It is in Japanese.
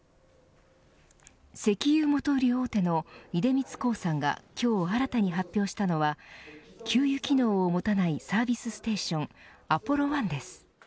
石油元売り大手の出光興産が今日、新たに発表したのは給油機能を持たないサービスステーションａｐｏｌｌｏＯＮＥです。